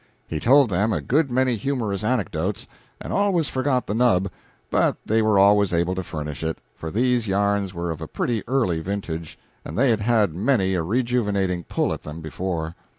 He told them a good many humorous anecdotes, and always forgot the nub, but they were always able to furnish it, for these yarns were of a pretty early vintage, and they had had many a rejuvenating pull at them before.